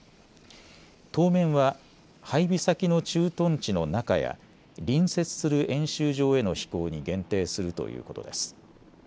当面は配備先の駐屯地の中や隣接する演習場への飛行に限定するということです。